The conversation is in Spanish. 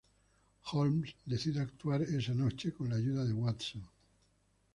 Holmes decide actuar esa noche, con la ayuda de Watson.